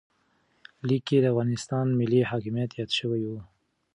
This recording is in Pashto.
لیک کې د افغانستان ملي حاکمیت یاد شوی و.